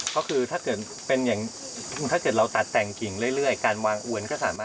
ก็คือถ้าเกิดเป็นอย่างถ้าเกิดเราตัดแต่งกิ่งเรื่อยการวางอวนก็สามารถ